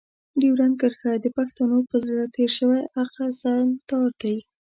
ډيورنډ کرښه د پښتنو په زړه تېر شوی اغزن تار دی.